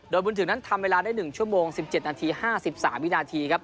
โดยบุญถึงนั้นทำเวลาได้๑ชั่วโมง๑๗นาที๕๓วินาทีครับ